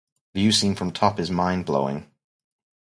View seen from the top is mind-blowing.